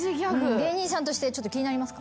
芸人さんとしてちょっと気になりますか？